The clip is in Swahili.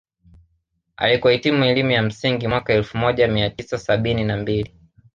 Alikohitimu elimu ya msingi mwaka elfu moja mia tisa sabini na mbili